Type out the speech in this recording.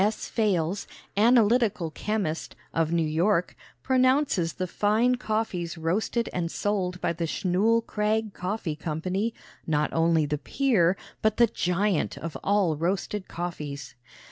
S. Fales, analytical chemist, of New York, pronounces the fine coffees roasted and sold by the Schnull Krag Coffee Company not only the peer, but the giant of all roasted coffees.